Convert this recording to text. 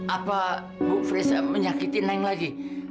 apa bu fris menyakitin neng lagi